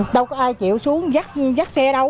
đâu có ai chịu xuống dắt xe